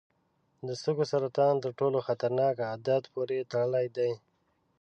د سږو سرطان تر ټولو خطرناک عادت پورې تړلی دی.